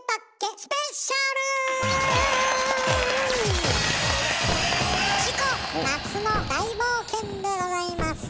チコ夏の大冒険でございます。